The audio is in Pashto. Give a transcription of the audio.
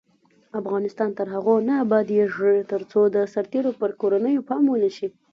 افغانستان تر هغو نه ابادیږي، ترڅو د سرتیرو پر کورنیو پام ونشي.